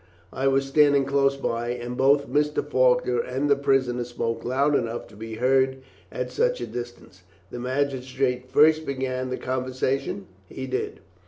"I was standing close by, and both Mr. Faulkner and the prisoner spoke loudly enough to be heard at such a distance." "The magistrate first began the conversation?" "He did."